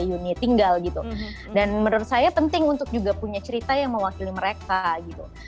unit tinggal gitu dan menurut saya penting untuk juga punya cerita yang mewakili mereka gitu